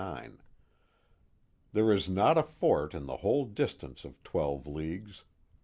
There is not a fort in the whole distance of twelve leagues.